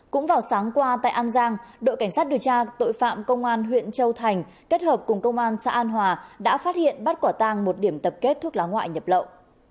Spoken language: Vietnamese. cũng vào sáng qua tại an giang đội cảnh sát điều tra tội phạm công an huyện châu thành kết hợp cùng công an xã an hòa đã phát hiện bắt quả tang một điểm tập kết thuốc lá ngoại nhập lậu